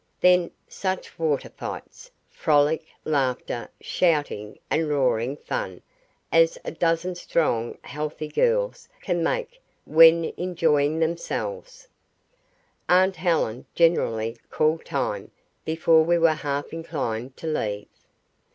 Then such water fights, frolic, laughter, shouting and roaring fun as a dozen strong healthy girls can make when enjoying themselves. Aunt Helen generally called time before we were half inclined to leave.